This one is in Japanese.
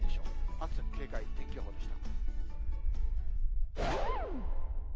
暑さに警戒、天気予報でした。